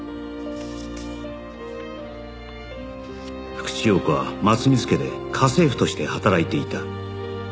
福地陽子は松水家で家政婦として働いていた